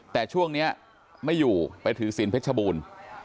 แต่ช่วงนี้ไม่อยู่ไปถือศีลเพชรบูรณ์